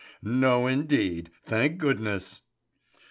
No indeed, thank goodness!"